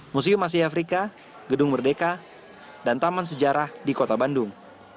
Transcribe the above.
museum asia afrika gedung merdeka dan taman sejarah di kota bandung